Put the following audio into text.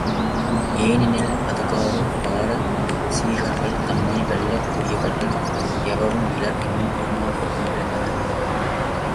ஏனெனில், அதுகாறும் பாரசீகர்கள் தம்மை வெல்லக் கூடியவர்கள் எவரும் இலர் என்னும் இறுமாப்புக் கொண்டிருந்தனர்.